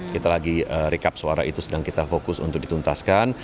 kita lagi recap suara itu sedang kita fokus untuk dituntaskan